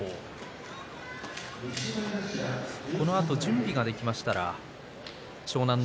このあと準備ができましたら湘南乃